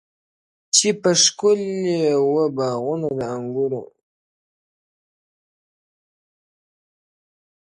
چي په ښكلي وه باغونه د انګورو!.